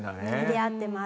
出会ってます。